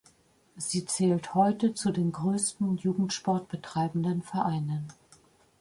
Sie zählt heute zu den größten Jugendsport betreibenden Vereinen.